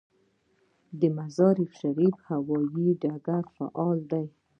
د مزار شریف هوايي ډګر فعال دی